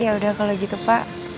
ya udah kalau gitu pak